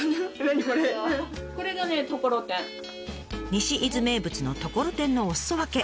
西伊豆名物のところてんのおすそ分け。